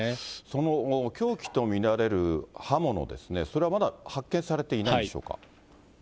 その凶器と見られる刃物ですね、それはまだ発見されてないんでしょうか。